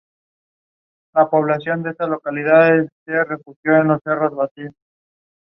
Administratively it is part of the Northeast Greenland National Park zone.